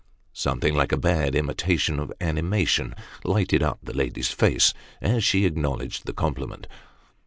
Something like a bad imitation of animation lighted up the lady's face, as she acknowledged the compliment.